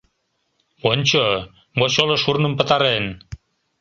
— Ончо, мочоло шурным пытарен!